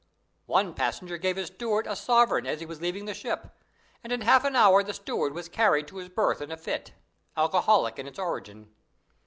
"One passenger gave his steward a sovereign as he was leaving the ship, and in half an hour the steward was carried to his berth in a fit alcoholic in its origin.